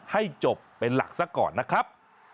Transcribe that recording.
ให้จบเป็นหลักซะก่อนนะครับ